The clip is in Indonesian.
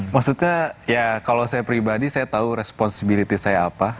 maksudnya ya kalau saya pribadi saya tahu responsibility saya apa